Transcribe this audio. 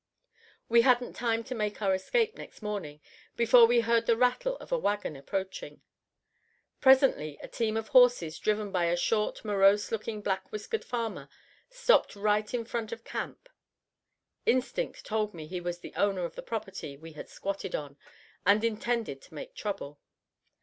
We hadn't time to make our escape next morning before we heard the rattle of a wagon approaching. Presently a team of horses, driven by a short, morose looking, black whiskered farmer, stopped right in front of camp. Instinct told me he was the owner of the property we had "squatted on" and intended to make trouble.